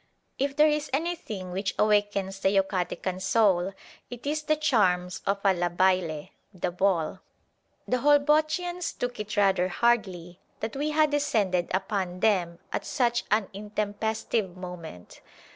If there is anything which awakens the Yucatecan soul, it is the charms of la baile (the ball). The Holbochians took it rather hardly that we had descended upon them at such an intempestive moment.